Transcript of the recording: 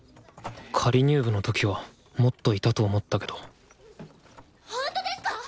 仮入部の時はもっといたと思ったけどほんとですか！？